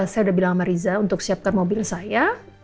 saya udah bilang sama riza untuk siapkan mobil saya